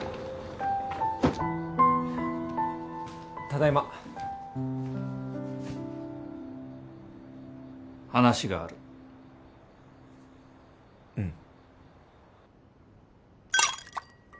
ただいま話があるうん